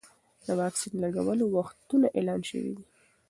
د واکسین لګولو وختونه اعلان شوي دي.